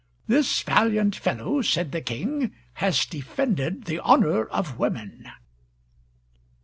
"This valiant fellow," said the king, "has defended the honor of women."